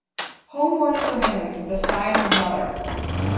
Home was, for him, beside his mother.